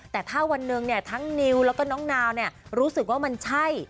แต่ถ้าวันหนึ่งทั้งนิวแล้วก็น้องนาวรู้สึกว่ามันใช่